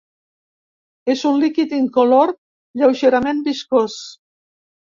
És un líquid incolor lleugerament viscós.